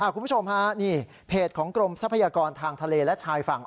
คุณผู้ชมฮะนี่เพจของกรมทรัพยากรทางทะเลและชายฝั่ง